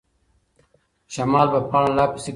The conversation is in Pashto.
شمال به پاڼه لا پسې قوي کړي.